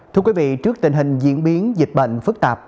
thưa quý vị trước tình hình diễn biến dịch bệnh phức tạp